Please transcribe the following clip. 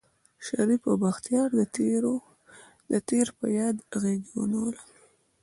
شريف او بختيار د تېر په ياد غېږه ونيوله.